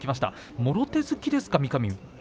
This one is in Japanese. もろ手突きですか？